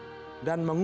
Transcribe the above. dan mengukir dan menangis